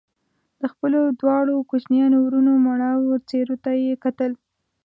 د خپلو دواړو کوچنيانو وروڼو مړاوو څېرو ته يې کتل